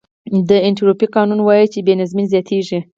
د انټروپي قانون وایي چې بې نظمي زیاتېږي.